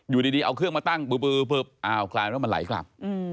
อยู่ดีเอาเครื่องมาตั้งบึบอ้าวกลายเป็นว่ามันไหลกลับ